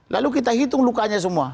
lalu kita hitung lukanya semua